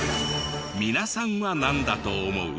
皆さんはなんだと思う？